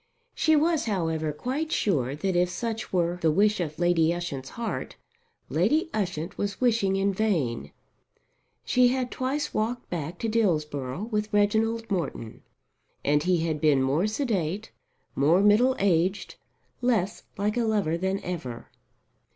She was, however, quite sure that if such were the wish of Lady Ushant's heart, Lady Ushant was wishing in vain. She had twice walked back to Dillsborough with Reginald Morton, and he had been more sedate, more middle aged, less like a lover than ever.